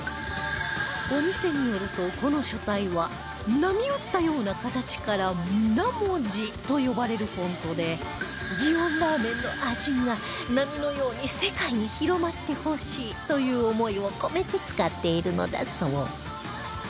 お店によるとこの書体は波打ったような形から「水面字」と呼ばれるフォントで祇園ラーメンの味が波のように世界に広まってほしいという思いを込めて使っているのだそう